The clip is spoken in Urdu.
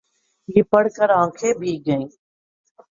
یہ پڑھ کر آنکھیں بھیگ گئیں۔